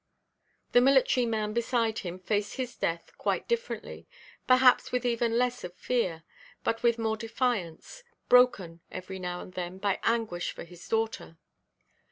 The military man beside him faced his death quite differently; perhaps with even less of fear, but with more defiance, broken, every now and then, by anguish for his daughter.